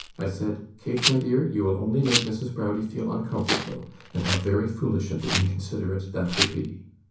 I said, "Kate, my dear, you will only make Mrs. Browdie feel uncomfortable, and how very foolish and inconsiderate that would be!"